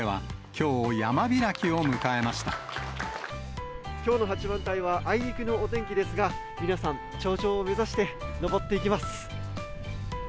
きょうの八幡平はあいにくのお天気ですが、皆さん、頂上を目指して登っていきます。